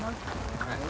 はい。